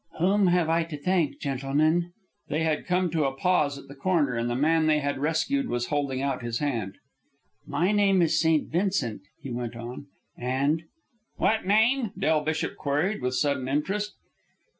"Whom have I to thank, gentlemen?" They had come to a pause at the corner, and the man they had rescued was holding out his hand. "My name is St. Vincent," he went on, "and " "What name?" Del Bishop queried with sudden interest.